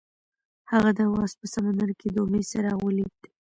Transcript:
هغه د اواز په سمندر کې د امید څراغ ولید.